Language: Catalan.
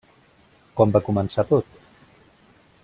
Com va començar tot?